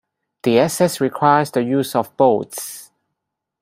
The access requires the use of boats.